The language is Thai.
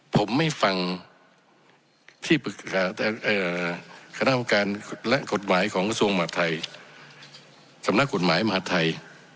ผมไม่ฟังที่คณะประการและกฎหมายของสำนักกฎหมายมหาธัย